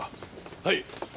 はい。